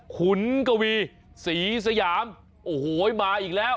ขุนกวีศรีสยามโอ้โหมาอีกแล้ว